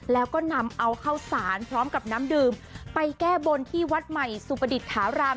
แล้วก็นำเอาข้าวสารพร้อมกับน้ำดื่มไปแก้บนที่วัดใหม่สุประดิษฐาราม